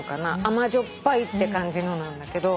甘じょっぱいって感じのなんだけど。